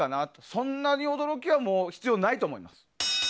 そんなに驚きは必要ないと思います。